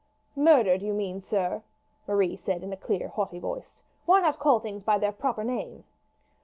"Murdered, you mean, sir," Marie said in a clear haughty voice. "Why not call things by their proper name?"